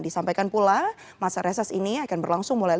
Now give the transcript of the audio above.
disampaikan pula masa reses ini akan berlangsung mulai lima belas desember